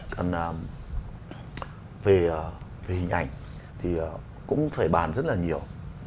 còn về hình ảnh thì cũng phải bàn rất là nhiều